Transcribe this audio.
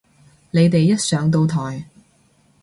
你哋一上到台